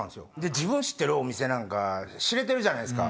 自分知ってるお店なんか知れてるじゃないですか。